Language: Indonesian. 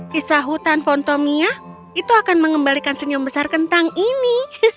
kisah hutan fontomia itu akan mengembalikan senyum besar kentang ini